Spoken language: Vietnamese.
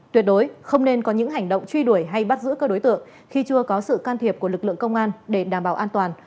tuyệt đối không nên có những hành động truy đuổi hay bắt giữ các đối tượng khi chưa có sự can thiệp của lực lượng công an để đảm bảo an toàn